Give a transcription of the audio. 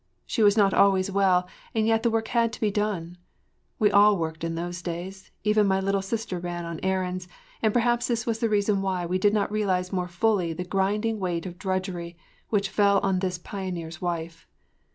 She was not always well and yet the work had to be done. We all worked in those days; even my little sister ran on errands, and perhaps this was the reason why we did not realize more fully the grinding weight of drudgery which fell on this pioneer’s wife.